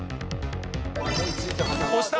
押した！